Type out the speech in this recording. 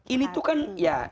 ini tuh kan ya